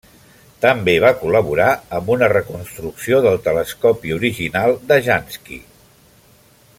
També va col·laborar amb una reconstrucció del telescopi original de Jansky.